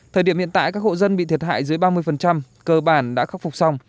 thời điểm hiện tại các hộ dân bị thiệt hại dưới ba mươi cơ bản đã khắc phục xong